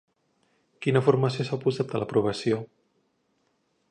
Quina formació s'ha oposat a l'aprovació?